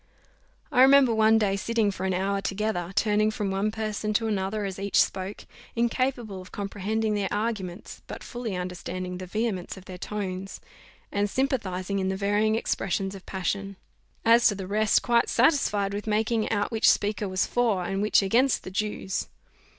I remember one day sitting for an hour together, turning from one person to another as each spoke, incapable of comprehending their arguments, but fully understanding the vehemence of their tones, and sympathizing in the varying expression of passion; as to the rest, quite satisfied with making out which speaker was for, and which against the Jews.